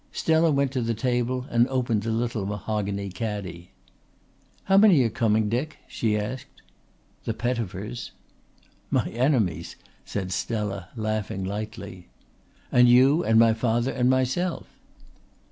Stella went to the table and opened the little mahogany caddy. "How many are coming, Dick?" she asked. "The Pettifers." "My enemies," said Stella, laughing lightly. "And you and my father and myself."